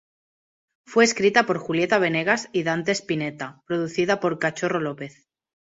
Fue escrita por Julieta Venegas y Dante Spinetta producida por Cachorro López.